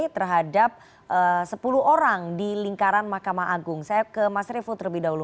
terhadap sepuluh orang di lingkaran mahkamah agung saya ke mas revo terlebih dahulu